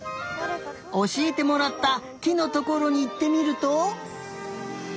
おしえてもらったきのところにいってみると。